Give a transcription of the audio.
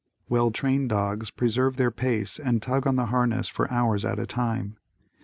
Well trained dogs preserve their pace and tug on the harness for hours at a time.